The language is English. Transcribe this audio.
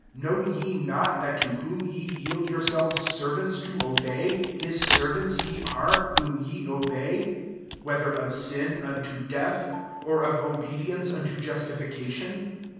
Know ye not, that to whom .yield yourselves servants to r, his servants ye are, whom obey ; whether of sin [^unto ■"1, or of obedience unto [cation?